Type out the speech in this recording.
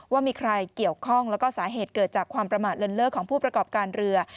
ว่ามีใครเกี่ยวข้องแล้วก็สาเหตุเกิดจากความประมาทเลินเลิกของผู้ประกอบการเรือ